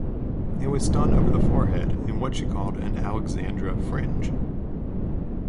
It was done over the forehead in what she called an Alexandra fringe.